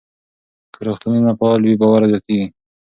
که روغتونونه فعال وي، باور زیاتېږي.